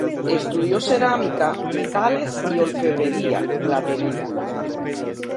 Estudió cerámica, metales y orfebrería, platería.